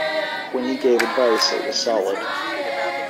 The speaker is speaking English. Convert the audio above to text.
When he gave advice, it was solid.